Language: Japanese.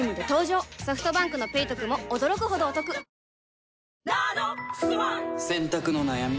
ソフトバンクの「ペイトク」も驚くほどおトク洗濯の悩み？